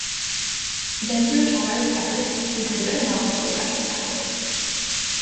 Then through Tara's efforts, Sugriva and Rama were reconciled.